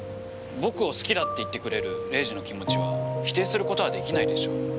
僕を好きだって言ってくれるレイジの気持ちは否定することはできないでしょ。